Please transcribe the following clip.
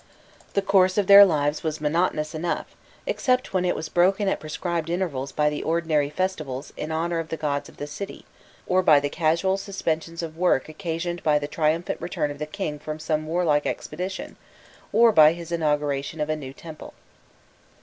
The course of their lives was monotonous enough, except when it was broken at prescribed intervals by the ordinary festivals in honour of the gods of the city, or by the casual suspensions of work occasioned by the triumphant return of the king from some warlike expedition, or by his inauguration of a new temple.